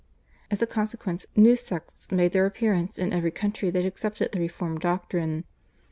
As a consequence new sects made their appearance in every country that accepted the reformed doctrine.